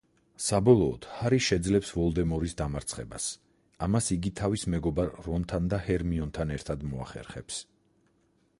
საბოლოოდ ჰარი შეძლებს ვოლდემორის დამარცხებას, ამას იგი თავის მეგობარ რონთან და ჰერმიონთან ერთად მოახერხებს.